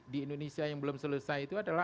di indonesia yang belum selesai itu adalah